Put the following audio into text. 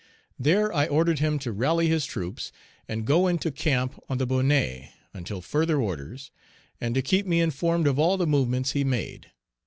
There I ordered him to rally his troops, and go into camp on the Bonnet until further orders, and to keep me informed of all the movements he made.